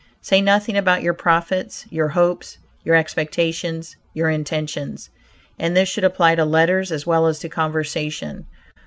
Say nothing about your profits, your hopes, your expectations, your intentions. And this should apply to letters as well as to conversation.